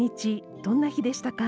どんな日でしたか？